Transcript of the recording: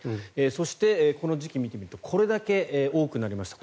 そして、この時期を見てみるとこれだけ多くなりました。